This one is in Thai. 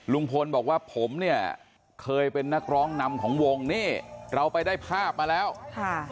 ลุงพลบอกว่าผมเนี่ยเคยเป็นนักร้องนำของวงนี่เราไปได้ภาพมาแล้วค่ะ